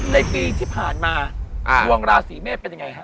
ในปีที่ผ่านมาดวงราศีเมศเป็นอย่างไร